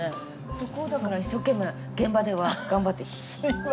そこをだから一生懸命現場では頑張って。